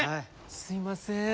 すいません。